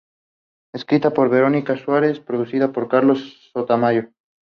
Escrita por Verónica Suárez y producida por Carlos Sotomayor.